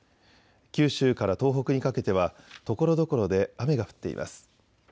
九州から東北にかけてはところどころで雨が降っています。